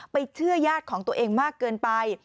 ไปทื่อยาดของตัวเองมากเกินไป